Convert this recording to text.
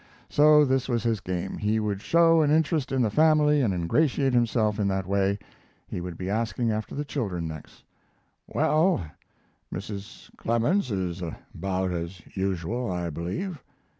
So this was his game. He would show an interest in the family and ingratiate himself in that way; he would be asking after the children next. "Well Mrs. Clemens is about as usual I believe."